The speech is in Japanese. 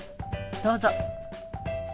どうぞ。